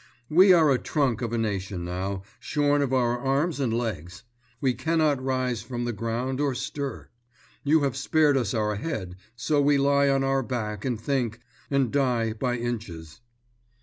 We are a trunk of a nation now, shorn of our arms and legs. We cannot rise from the ground or stir. You have spared us our head, so we lie on our back and think, and die by inches."